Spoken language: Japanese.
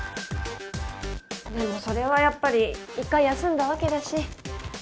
でもそれはやっぱり一回休んだわけだし。